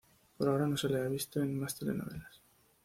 Por ahora no se la ha visto en más telenovelas.